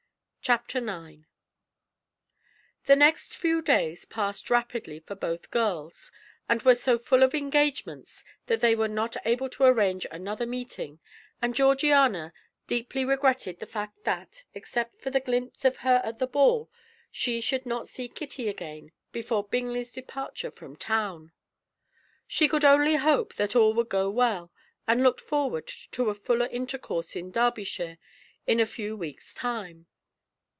Chapter IX The next few days passed rapidly for both girls, and were so full of engagements that they were not able to arrange another meeting, and Georgiana deeply regretted the fact that, except for a glimpse of her at the ball, she should not see Kitty again before Bingley's departure from town. She could only hope that all would go well, and looked forward to a fuller intercourse in Derbyshire in a few weeks' time.